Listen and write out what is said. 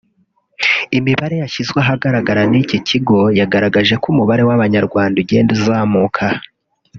Imibare yashyizwe ahagaragara n’iki kigo yagaragaje ko umubare w’Abanyarwanda ugenda uzamuka